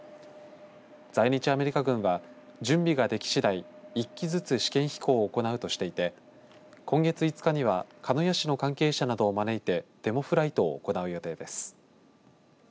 在日アメリカ軍は準備ができしだい１機ずつ試験飛行を行うとしていて今月５日には鹿屋市の関係者などを招いてデモフライトを行う予定です。